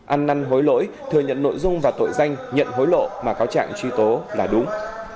ăn năn hối lỗi thừa nhận nội dung và tội danh nhận hối lộ mà cáo trạng truy tố là đúng